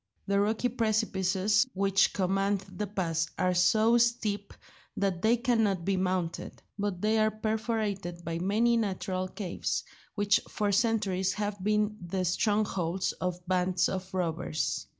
The rocky precipices which command the pass are so steep that they cannot be mounted; but they are perforated by many natural caves, which for centuries have been the strongholds of bands of robbers.